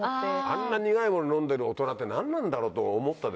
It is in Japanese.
あんな苦いもの飲んでる大人って何なんだろうと思ったでしょ？